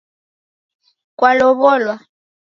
Kwalow'olwa?